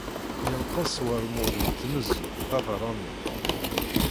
Yenqes wermud n tnezzut tabeṛṛanit.